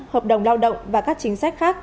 hợp đồng lao động và các chính sách khác